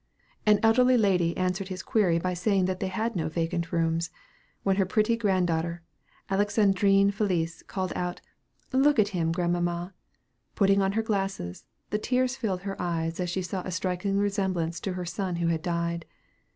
An elderly lady answered his query by saying that they had no vacant rooms, when her pretty granddaughter, Alexandrine Félicie, called out, "Look at him, grandmamma!" Putting on her glasses, the tears filled her eyes, as she saw a striking resemblance to her son who had died.